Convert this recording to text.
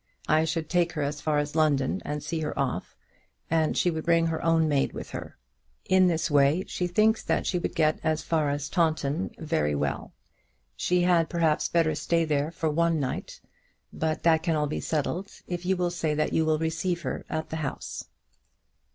I should take her as far as London and see her off, and she would bring her own maid with her. In this way she thinks that she would get as far as Taunton very well. She had, perhaps, better stay there for one night, but that can all be settled if you will say that you will receive her at the house.